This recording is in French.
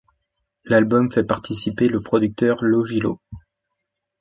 L'album fait participer le producteur Logilo.